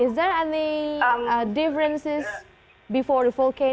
apakah ada perbedaan sebelum vulkan